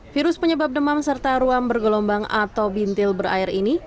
virus penyebab demam serta ruam bergelombang atau bintil berair ini